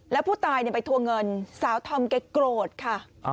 แล้วผู้ตายไปทวงเงินสาวธอมแกโกรธค่ะ